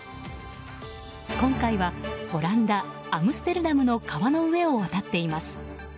今回はオランダアムステルダムの川の上を渡っています。